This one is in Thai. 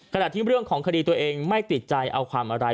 ขณะที่เรื่องของคดีตัวเองไม่ติดใจเอาความอะไร